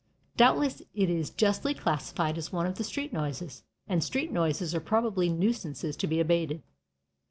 Doubtless it is justly classified as one of the street noises, and street noises are probably nuisances to be abated.